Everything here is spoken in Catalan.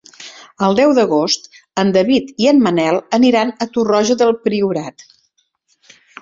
El deu d'agost en David i en Manel aniran a Torroja del Priorat.